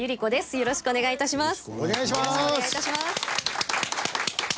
よろしくお願いします。